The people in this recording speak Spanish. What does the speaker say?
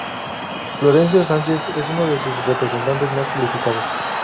Florencio Sánchez es uno de sus representantes más calificados.